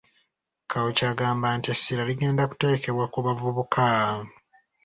Kawuki agamba nti essira ligenda kuteekebwa ku bavubuka .